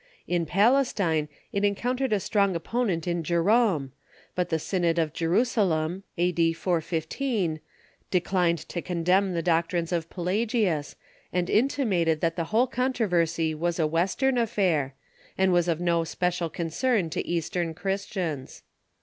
In Pal estine it encountered a strong opponent in Jerome, but the Synod of Jerusalem (a.d. 415) declined to condemn the doc trines of Pelagius, and intimated that the whole controversy was a Western affair, and Avas of no special concern to Eastern Christians.